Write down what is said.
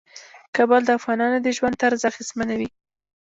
کابل د افغانانو د ژوند طرز اغېزمنوي.